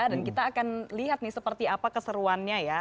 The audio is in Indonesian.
dan kita akan lihat nih seperti apa keseruannya ya